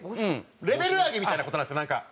レベル上げみたいな事なんですよなんか。